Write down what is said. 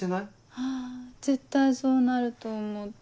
はぁ絶対そうなると思った。